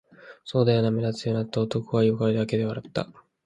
「そうだよな、目立つよな」と男は言い、声だけで笑った